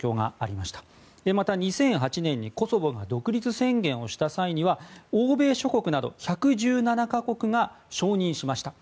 また、２００８年にコソボが独立宣言をした際には欧米諸国など１１７か国が承認しました。